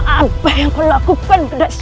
apa yang kau lakukan